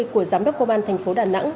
của giám đốc công an thành phố đà nẵng